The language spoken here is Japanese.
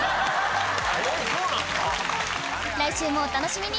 来週もお楽しみに！